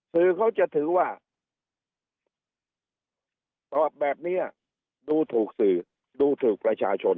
สื่อเขาจะถือว่าตอบแบบนี้ดูถูกสื่อดูถูกประชาชน